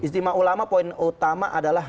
istimewa ulama poin utama adalah